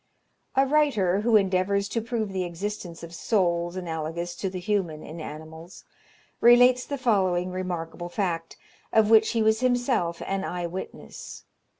A writer, who endeavours to prove the existence of souls analogous to the human in animals, relates the following remarkable fact, of which he was himself an eye witness.